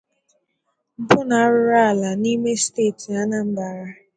mpụ na arụrụala n'ime steeti Anambra